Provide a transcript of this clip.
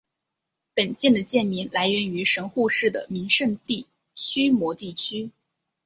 本舰的舰名来源于神户市的名胜地须磨地区。